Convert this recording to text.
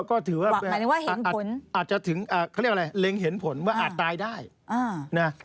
ก็ถือว่าอาจจะถึงเขาเรียกอะไรเล็งเห็นผลว่าอาจตายได้นะ